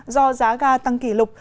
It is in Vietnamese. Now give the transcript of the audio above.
do giá ga tăng kỷ lục